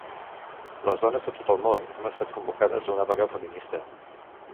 Les dones de tot el món hem estat convocades a una vaga feminista.